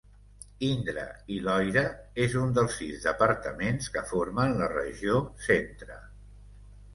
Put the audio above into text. Indre i Loira és un dels sis departaments que formen la regió Centre.